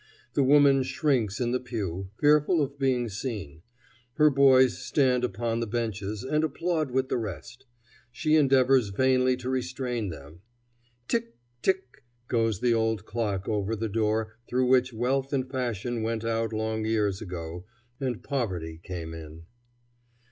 The woman shrinks in the pew, fearful of being seen; her boys stand upon the benches, and applaud with the rest. She endeavors vainly to restrain them. "Tick, tick!" goes the old clock over the door through which wealth and fashion went out long years ago, and poverty came in.